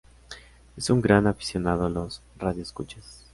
Es un gran aficionado a los radioescuchas.